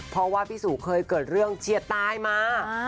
เพราะว่าพี่สุเคยเกิดเรื่องเชียดตายมา